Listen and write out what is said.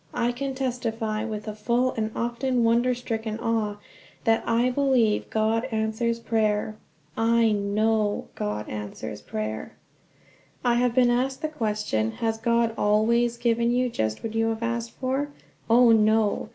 I can testify, with a full and often wonder stricken awe, that I believe God answers prayer. I know God answers prayer!" I have been asked the question: "Has God always given you just what you have asked for?" Oh, no!